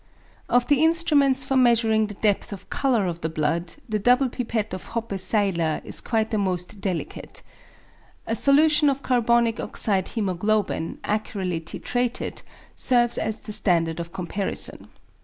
Of the instruments for measuring the depth of colour of the blood, the double pipette of Hoppe Seyler is quite the most delicate. A solution of carbonic oxide hæmoglobin, accurately titrated, serves as the standard of comparison.